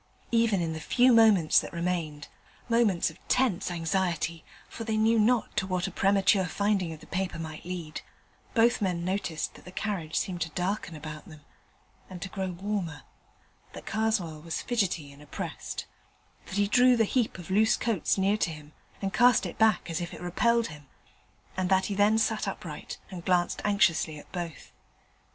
Even in the few moments that remained moments of tense anxiety, for they knew not to what a premature finding of the paper might lead both men noticed that the carriage seemed to darken about them and to grow warmer; that Karswell was fidgety and oppressed; that he drew the heap of loose coats near to him and cast it back as if it repelled him; and that he then sat upright and glanced anxiously at both.